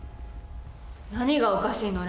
何がおかしいの？